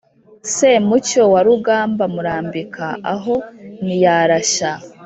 semucyo wa rugamba murambika aho ntiyarashya